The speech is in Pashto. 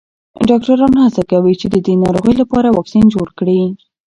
ډاکټران هڅه کوي چې د دې ناروغۍ لپاره واکسین جوړ کړي.